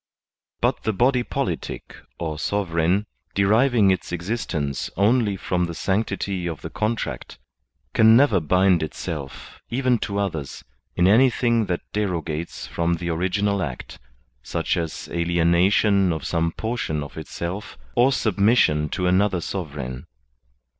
But the body politic or sovereign, deriving its exist ence only from the sanctity of the contract, can never bind itself, even to others, in anything that derogates from the original act such as alienation of some jx>rtion i6 THE SOCIAL CONTRACT of itself, or submission to another sovereign.